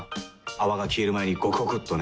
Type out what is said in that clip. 泡が消える前にゴクゴクっとね。